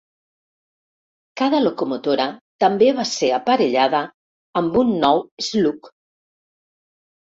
Cada locomotora també va ser aparellada amb un nou "slug".